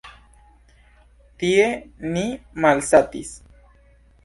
Tie ni malsatis.